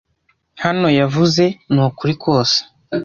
hano yavuze ni ukuri kose